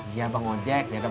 iya bang ojek